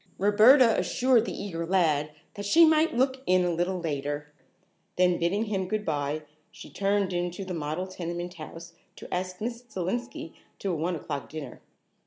Roberta assured the eager lad that she might look in a little later, then bidding him good bye, she turned in to the model tenement house to ask Miss Selenski to a one o'clock dinner.